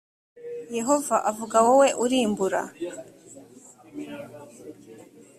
yehova avuga wowe urimbura